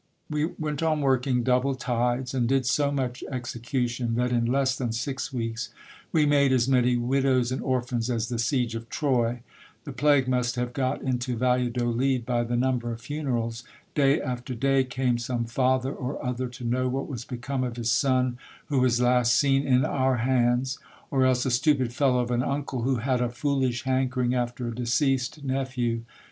We went on working double tides, and did so much execution, that in less than six weeks we made as many widows and orphans as the siege of Troy. The plague must have got into Valladolid by the number of funerals. Day after day came some father or other to know what was become of his son, who was last seen in our hands ; or else a stupid fellow of an uncle, who had a foolish hankering after a deceased nephew.